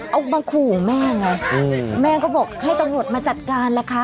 เอามาขู่แม่ไงแม่ก็บอกให้ตำรวจมาจัดการล่ะคะ